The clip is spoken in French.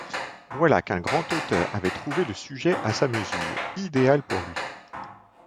Voilà qu'un grand auteur avait trouvé le sujet à sa mesure, idéal pour lui.